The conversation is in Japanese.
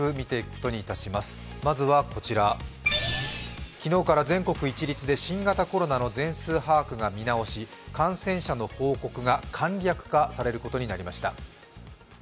まずはこちら、昨日から全国一律で新型コロナの全数把握が見直し、感染者の報告が簡略化されることになりました。